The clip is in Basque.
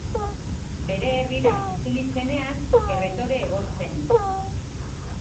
Bere herrira itzuli zenean, erretore egon zen.